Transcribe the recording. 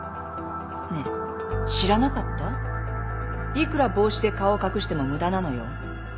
いくら帽子で顔を隠しても無駄なのよ。